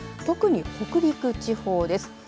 特に、北陸地方です。